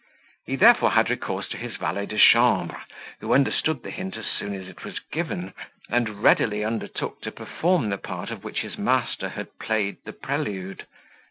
He therefore had recourse to his valet de chambre, who understood the hint as soon as it was given, and readily undertook to perform the part of which his master had played the prelude.